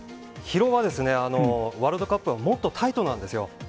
疲労はですね、ワールドカップはもっとタイトなんですよ。